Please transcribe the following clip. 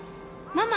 ママ？